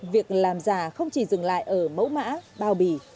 việc làm giả không chỉ dừng lại ở mẫu mã bao bì